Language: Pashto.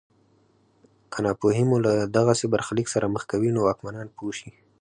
که ناپوهي مو له دغسې برخلیک سره مخ کوي نو واکمنان پوه شي.